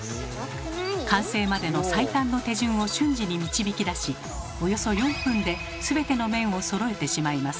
完成までの最短の手順を瞬時に導き出しおよそ４分で全ての面をそろえてしまいます。